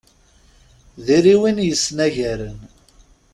Diri win yesnagaren.